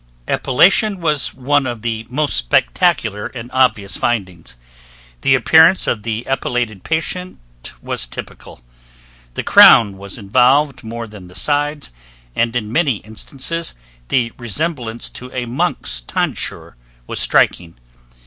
Epilation was one of the most spectacular and obvious findings. The appearance of the epilated patient was typical. The crown was involved more than the sides, and in many instances the resemblance to a monk's tonsure was striking.